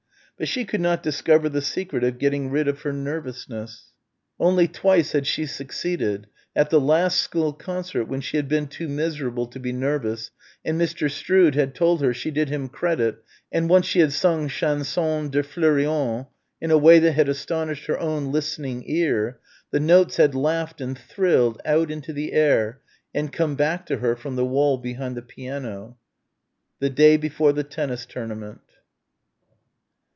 But she could not discover the secret of getting rid of her nervousness. Only twice had she succeeded at the last school concert when she had been too miserable to be nervous and Mr. Strood had told her she did him credit and, once she had sung "Chanson de Florian" in a way that had astonished her own listening ear the notes had laughed and thrilled out into the air and come back to her from the wall behind the piano.... The day before the tennis tournament.